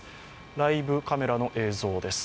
ライブカメラの映像です。